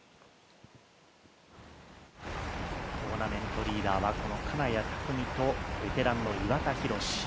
トーナメントリーダーはこの金谷拓実とベテランの岩田寛。